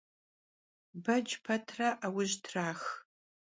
Bec petre 'euj trax.